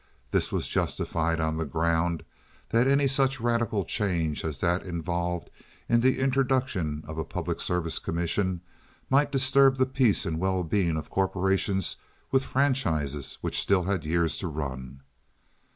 This was justified on the ground that any such radical change as that involved in the introduction of a public service commission might disturb the peace and well being of corporations with franchises which still had years to run.